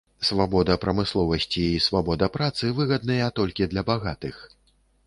Свабода прамысловасці і свабода працы выгадныя толькі для багатых.